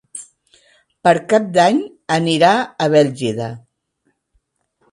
Per Cap d'Any anirà a Bèlgida.